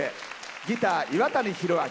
ギター、岩谷弘明。